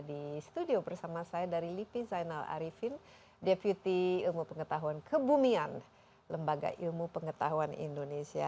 di studio bersama saya dari lipi zainal arifin deputi ilmu pengetahuan kebumian lembaga ilmu pengetahuan indonesia